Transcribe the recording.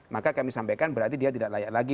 maka kami sampaikan berarti dia tidak layak lagi